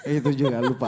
itu juga lupa